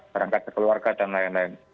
barangkali keluarga dan lain lain